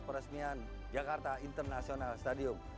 peresmian jakarta international stadium